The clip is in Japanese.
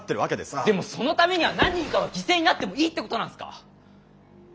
でもそのためには何人かは犠牲になってもいいってことなんすか？